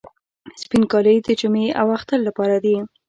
سپین کالي د جمعې او اختر لپاره دي.